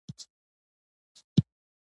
چارې خپلمنځ کې شریک کړئ.